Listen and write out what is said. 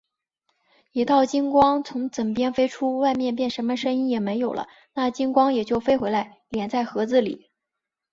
一道金光从枕边飞出，外面便什么声音也没有了，那金光也就飞回来，敛在盒子里。